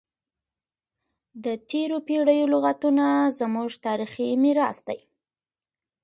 د تیرو پیړیو لغتونه زموږ تاریخي میراث دی.